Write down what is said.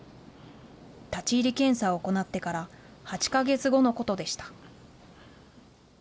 立ち入り検査を行ってから８か月後のことでした。